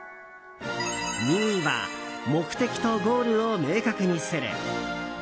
２位は目的とゴールを明確にする。